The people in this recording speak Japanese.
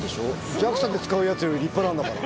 ＪＡＸＡで使うやつより立派なんだから。